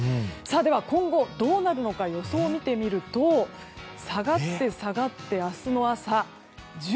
では、今後どうなるのか予想見てみると下がって、下がって明日の朝、１５度。